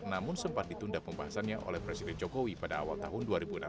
namun sempat ditunda pembahasannya oleh presiden jokowi pada awal tahun dua ribu enam belas